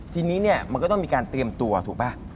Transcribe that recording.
ทีนี้เนี่ยมันก็ต้องมีการเตรียมตัวถูกป่ะ